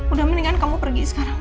udah mendingan kamu pergi sekarang